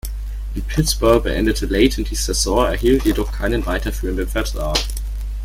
In Pittsburgh beendete Leighton die Saison, erhielt jedoch keinen weiterführenden Vertrag.